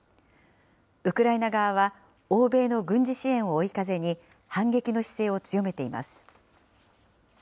ウクライナ側は、欧米の軍事支援を追い風に、反撃の姿勢を強めています。